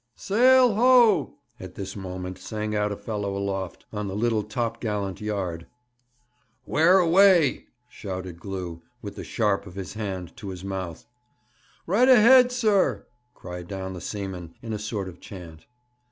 'Sail ho!' at this moment sang out a fellow aloft, on the little top gallant yard. 'Where away?' shouted Glew, with the sharp of his hand to his mouth. 'Right ahead, sir!' cried down the seaman, in a sort of chant.